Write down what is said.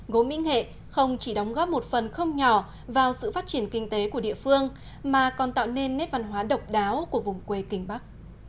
gốm mỹ nghệ không chỉ đóng góp một phần không nhỏ vào sự phát triển kinh tế của địa phương mà còn tạo nên nét văn hóa độc đáo của vùng quê kinh bắc